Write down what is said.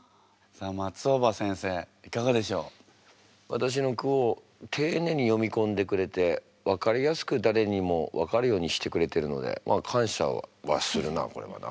私の句を丁寧に詠み込んでくれてわかりやすく誰にもわかるようにしてくれてるのでまあ感謝はするなこれはな。